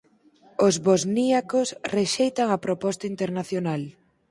Os bosníacos rexeitan a proposta internacional.